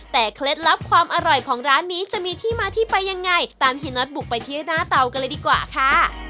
แต่เคล็ดลับความอร่อยของร้านนี้จะมีที่มาที่ไปยังไงตามเฮียน็อตบุกไปที่หน้าเตากันเลยดีกว่าค่ะ